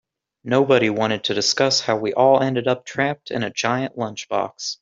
Nobody wanted to discuss how we all ended up trapped in a giant lunchbox.